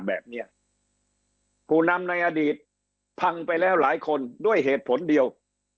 แบบนี้ผู้นำในอดีตพังไปแล้วหลายคนด้วยเหตุผลเดียว